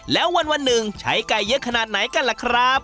แล้ววันหนึ่งใช้ไก่เยอะขนาดไหนกันล่ะครับ